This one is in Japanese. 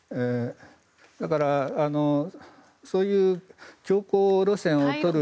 だから、そういう強硬路線を。